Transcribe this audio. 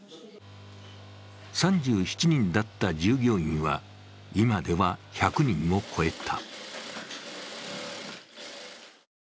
３７人だった従業員は今では１００人を超えた。